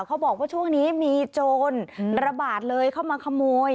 เขาบอกว่าช่วงนี้มีโจรระบาดเลยเข้ามาขโมย